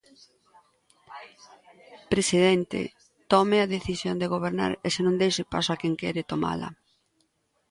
"Presidente, tome a decisión de gobernar e senón deixe paso a quen quere tomala".